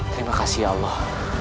terima kasih ya allah